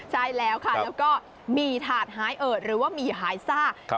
ใช่แล้วค่ะแล้วก็มีถาดหายเอิดหรือว่าหมี่หายซ่า